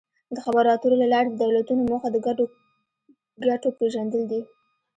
د خبرو اترو له لارې د دولتونو موخه د ګډو ګټو پېژندل دي